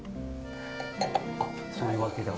そういうわけで。